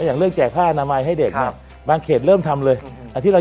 อย่างเรื่องแจกผ้าอนามัยให้เด็กบางเขตเริ่มทำเลย